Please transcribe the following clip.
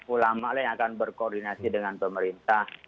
ulama lah yang akan berkoordinasi dengan pemerintah